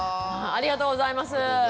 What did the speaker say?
ありがとうございます。